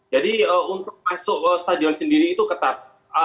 jadi untuk masuk stadion sendiri itu ketat